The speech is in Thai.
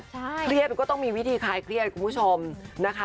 ใช่เครียดก็ต้องมีวิธีคลายเครียดคุณผู้ชมนะคะ